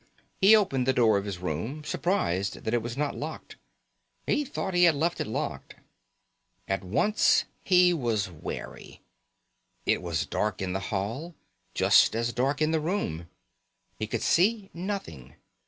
He opened the door of his room, surprised that it was not locked. He thought he had left it locked. At once he was wary. It was dark in the hall, just as dark in the room. He could see nothing.